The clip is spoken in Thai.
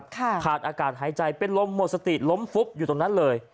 ขาดอากาศหายใจเป็นลมหมดสติล้มฟุบอยู่ตรงนั้นเลย